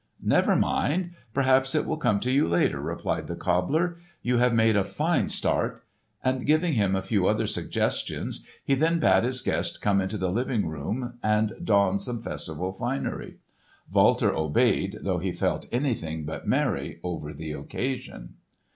"Never mind. Perhaps it will come to you later," replied the cobbler. "You have made a fine start." And giving him a few other suggestions, he then bade his guest come into the living rooms and don some festival finery. Walter obeyed, though he felt anything but merry over the occasion.